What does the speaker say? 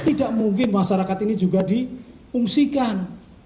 tidak mungkin masyarakat ini juga diungsikan